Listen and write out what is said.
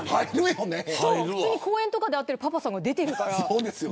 普通に公園とかで会ってるパパさんが出てるから。